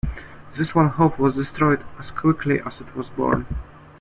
This one hope was destroyed as quickly as it was born.